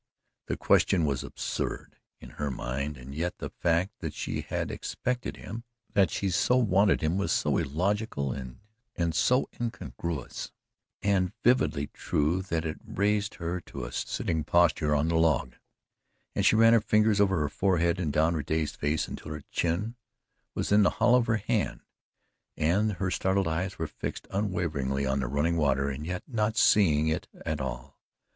The question was absurd in her mind, and yet the fact that she had expected him, that she so WANTED him, was so illogical and incongruous and vividly true that it raised her to a sitting posture on the log, and she ran her fingers over her forehead and down her dazed face until her chin was in the hollow of her hand, and her startled eyes were fixed unwaveringly on the running water and yet not seeing it at all.